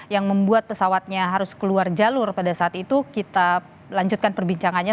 yang membuat pesawatnya harus keluar jalur pada saat itu kita lanjutkan perbincangannya